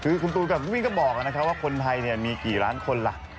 คือคุณตูนกลับวิ่งก็บอกนะว่าคนไทยเนี่ยมีกี่ล้านคนละ